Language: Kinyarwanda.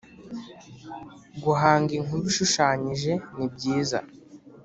Guhanga inkuru ishushanyije nibyiza